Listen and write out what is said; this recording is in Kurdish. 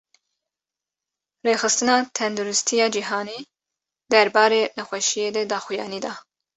Rêxistina Tendurustiya Cîhanî, derbarê nexweşiyê de daxuyanî da